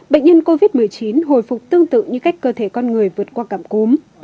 bệnh nhân covid một mươi chín hồi phục tương tự như cách cơ thể con người vượt qua cảm cúm